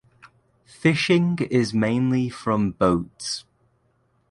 Fishing is mainly from boats.